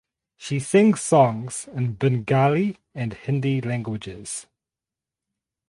She sings songs in Bengali and Hindi languages.